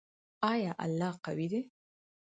آیا الله قوی دی؟